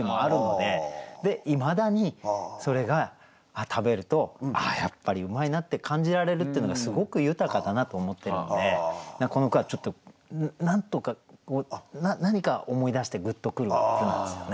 でいまだにそれが食べるとああやっぱりうまいなって感じられるっていうのがすごく豊かだなと思ってるのでこの句はちょっとなんとかこう何か思い出してグッと来る句なんですよね。